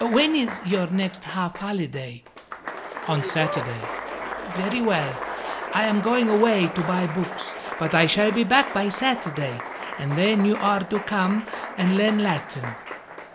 When is your next half holiday?" "On Saturday." "Very well. I am going away to buy books; but I shall be back by Saturday, and then you are to come and learn Latin."